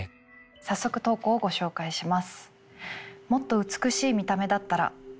早速投稿をご紹介します。